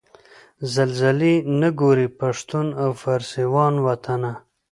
زلزلې نه ګوري پښتون او فارسي وان وطنه